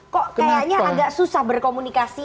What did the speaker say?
kok kayaknya agak susah berkomunikasi